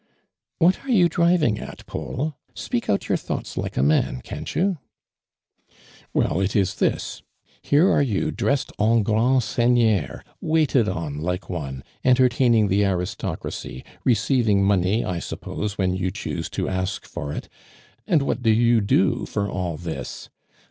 "What are you driving at, Paul ? Speak out your thoughts like a man, ctui't you ?"" Well, it is this. Here are you drenwed en fjraiid neiffneur, waited on like one, enter taining the aristocracy, receiving money, I supposo, when you choose to ask for it, and what do you do for all this